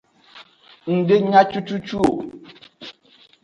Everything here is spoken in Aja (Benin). Ng de nya cucucu o.